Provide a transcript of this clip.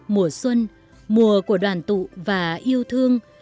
mùa xuân mùa của đoàn tụ và yêu thương